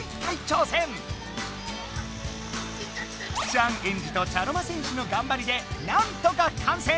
チャンエンジと茶の間戦士のがんばりでなんとか完成。